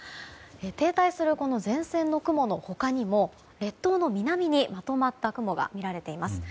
停滞する前線の雲の他にも列島の南にまとまった雲がみられています。